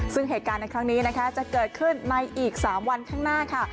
ซึ่งเหตุการณ์ในครั้งนี้นะคะจะเกิดขึ้นในอีก๓วันข้างหน้าค่ะ